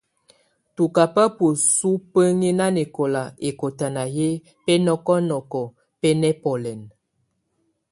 Tɔ kaba bəsu bəŋi nanɛkɔla ɛkɔtana yɛ bɛnɔkɔnɔkɔ bɛ nɛbɔlɛn.